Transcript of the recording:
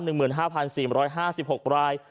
หนึ่งหมื่นห้าพันสี่ร้อยห้าสิบหกราย